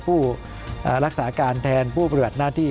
ผู้รักษาการแทนผู้ปฏิบัติหน้าที่